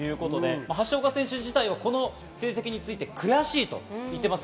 橋岡選手自体は、この成績について悔しいと言っています。